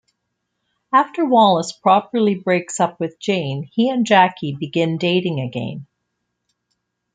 After Wallace properly breaks up with Jane, he and Jackie begin dating again.